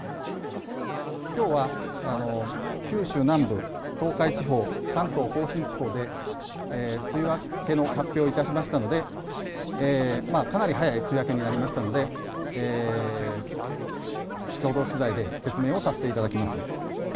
きょうは九州南部、東海地方、関東甲信地方で梅雨明けの発表をいたしましたので、かなり早い梅雨明けになりましたので、共同取材で説明をさせていただきます。